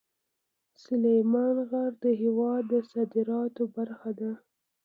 سلیمان غر د هېواد د صادراتو برخه ده.